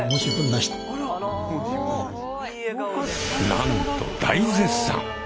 なんと大絶賛！